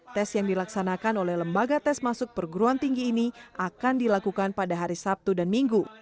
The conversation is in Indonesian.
tes yang dilaksanakan oleh lembaga tes masuk perguruan tinggi ini akan dilakukan pada hari sabtu dan minggu